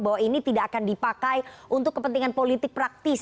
bahwa ini tidak akan dipakai untuk kepentingan politik praktis